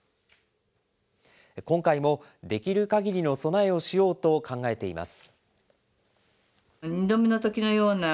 今回もできるかぎりの備えをしようと考えています。